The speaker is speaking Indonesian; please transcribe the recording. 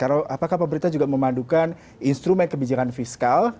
apakah pemerintah juga memandukan instrumen kebijakan fiskal